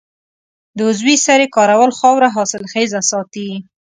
د عضوي سرې کارول خاوره حاصلخیزه ساتي.